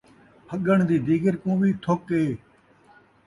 پھڳݨ دی دیگر کوں وی تھک اے